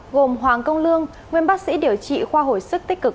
gồm hoàng công lương nguyên bác sĩ điều trị khoa hồi sức tích cực